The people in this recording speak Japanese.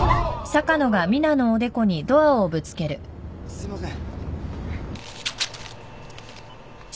すいません。